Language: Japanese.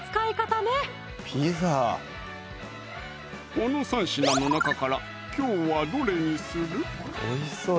ねこの３品の中からきょうはどれにする？